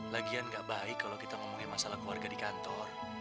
lagian gak baik kalau kita ngomongin masalah keluarga di kantor